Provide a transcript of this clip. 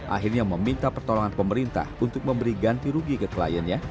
akhirnya meminta pertolongan pemerintah untuk memberi ganti rugi ke kliennya